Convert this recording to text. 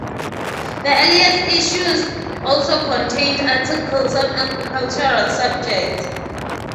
The earliest issues also contained articles on agricultural subjects.